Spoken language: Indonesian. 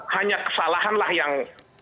hanya kesalahanlah yang